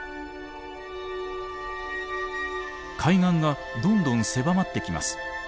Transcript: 海岸がどんどん狭まってきます。